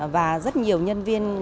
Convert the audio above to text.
và rất nhiều nhân viên